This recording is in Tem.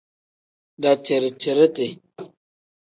Daciri-ciriti.